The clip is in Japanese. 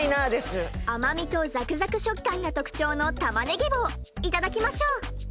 甘みとザクザク食感が特徴のいただきましょう。